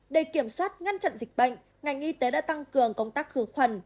để kiểm soát ngăn chặn dịch bệnh ngành y tế đã tăng cường công tác khử khuẩn